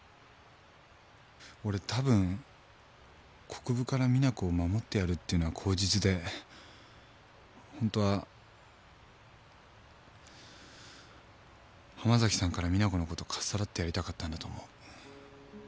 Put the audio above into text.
俺たぶん国府から実那子を守ってやるっていうのは口実で本当は濱崎さんから実那子のことかっさらってやりたかったんだと思う。